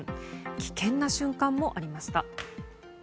危険な瞬間もありました。